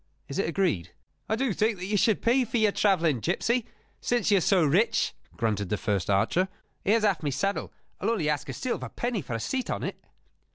Is it agreed?" "I do think that you should pay for your travelling, gipsy, since you are so rich," grunted the first archer. "Here's half my saddle: I'll only ask a silver penny for a seat on it."